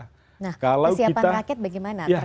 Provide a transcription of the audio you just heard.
nah persiapan rakyat bagaimana terkait dengan kemenangan ini